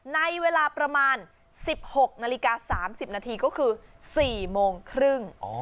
ในเวลาประมาณสิบหกนาฬิกาสามสิบนาทีก็คือสี่โมงครึ่งอ๋อ